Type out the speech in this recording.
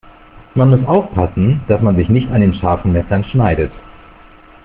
Man muss aufpassen, dass man sich nicht an den scharfen Messern schneidet.